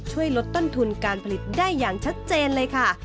ช่วยลดต้นทุนการผลิตได้อย่างชัดเจนเลยค่ะ